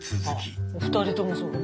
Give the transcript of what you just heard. あ２人ともそう。